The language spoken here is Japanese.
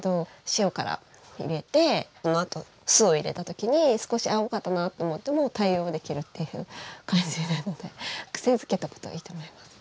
塩から入れてそのあと酢を入れたときに少しあぁ多かったなと思っても対応できるっていう感じなので癖づけとくといいと思います。